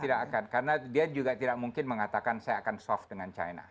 tidak akan karena dia juga tidak mungkin mengatakan saya akan soft dengan china